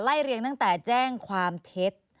เรียงตั้งแต่แจ้งความเท็จ